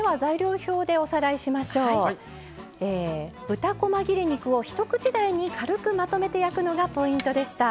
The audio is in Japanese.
豚こま切れ肉を一口大に軽くまとめて焼くのがポイントでした。